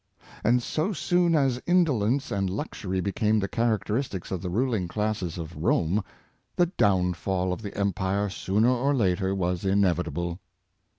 And so soon as indolence and luxury became the characteristics of the ruling classes of Rome, the downfall of the empire, sooner or later, was inevitable.